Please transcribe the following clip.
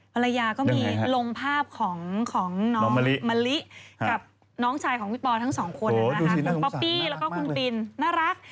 ภรรยาก็มีลงภาพของน้องมะลิกับน้องชายของพี่ปอทั้งสองคนคุณป๊อปปี้แล้วก็คุณปินน่ารัก